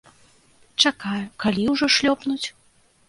Чакаю, калі ўжо шлёпнуць.